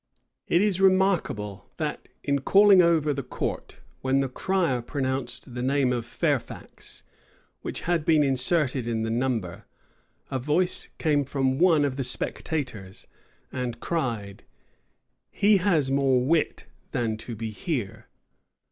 It is remarkable, that in calling over the court, when the crier pronounced the name of Fairfax, which had been inserted in the number, a voice came from one of the spectators, and cried, "He has more wit than to be here."